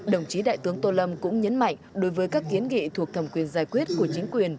đồng chí đại tướng tô lâm cũng nhấn mạnh đối với các kiến nghị thuộc thẩm quyền giải quyết của chính quyền